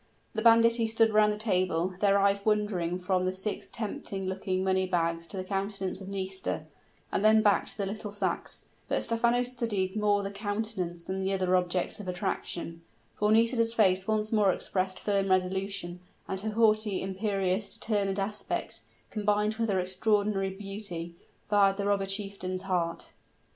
The banditti stood round the table, their eyes wandering from the six tempting looking money bags to the countenance of Nisida, and then back to the little sacks; but Stephano studied more the countenance than the other objects of attraction; for Nisida's face once more expressed firm resolution and her haughty, imperious, determined aspect, combined with her extraordinary beauty, fired the robber chieftain's heart.